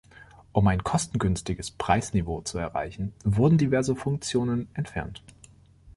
Um ein kostengünstiges Preisniveau zu erreichen, wurden diverse Funktionen entfernt.